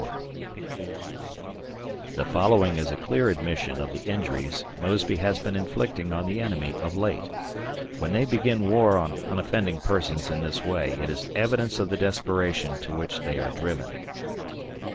[From a Confederate newspaper, 1864] The following is a clear admission of the injuries Mosby has been inflicting on the enemy of late. When they begin war on unoffending persons in this way it is evidence of the desperation to which they are driven.